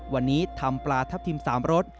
วันนี้ทำปลาทับทิม๓รส